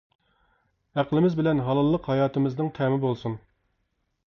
ئەقلىمىز بىلەن ھالاللىق ھاياتىمىزنىڭ تەمى بولسۇن.